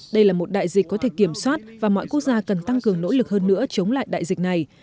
đây là một đại dịch có thể kiểm soát và mọi quốc gia cần tăng cường nỗ lực hơn nữa chống lại đại dịch này